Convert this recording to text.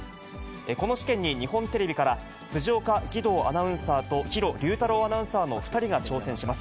この試験に日本テレビから、辻岡義堂アナウンサーと弘竜太郎アナウンサーの２人が挑戦します。